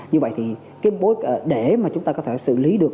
như vậy thì cái để mà chúng ta có thể xử lý được